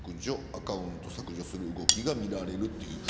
アカウント削除する動きが見られる。